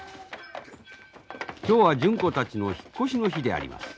今日は純子たちの引っ越しの日であります。